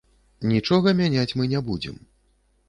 Нічога мяняць мы не будзем.